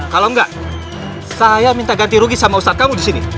kalau enggak saya minta ganti rugi sama ustadz kamu di sini